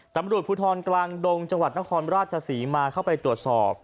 ตำรวจภูทรกลางดงจังหวัดนครราชศรีมาเข้าไปตรวจสอบ